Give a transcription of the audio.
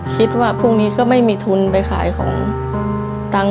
คิดว่าพรุ่งนี้ก็ไม่มีทุนไปขายของตังค์